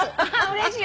うれしい。